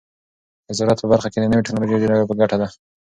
د زراعت په برخه کې نوې ټیکنالوژي ډیره په ګټه ده.